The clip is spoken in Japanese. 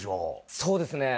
そうですね